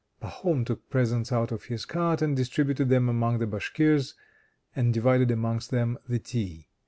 Pahom took presents out of his cart and distributed them among the Bashkirs, and divided amongst them the tea.